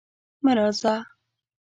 مه راځه!